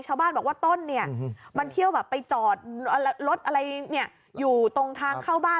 ชาวบ้านบอกว่าต้นเนี่ยมันเที่ยวแบบไปจอดรถอะไรอยู่ตรงทางเข้าบ้าน